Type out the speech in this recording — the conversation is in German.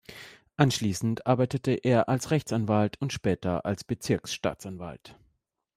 Anschließend arbeitete er als Rechtsanwalt und später als Bezirksstaatsanwalt.